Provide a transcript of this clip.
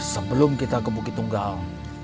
sebelum kita ke bukit tunggal